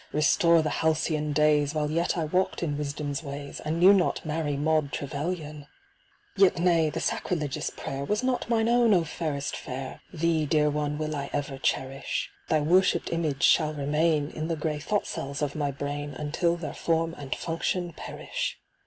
restore the halcyon days While yet I walked in Wisdom's ways, And knew not Mary Maud Trevylyan ! Yet nay ! the sacrilegious prayer Was not mine own, oh fairest fair ! Thee, dear one, will I ever cherish ; Thy worshipped image shall remain In the grey thought cells of my brain Until their form and function perish.